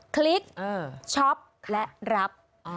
คลิกช็อปและรับ